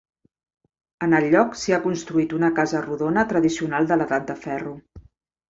En el lloc s'hi ha construït una casa rodona tradicional de l'Edat de Ferro.